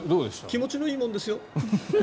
気持ちのいいもんですよ。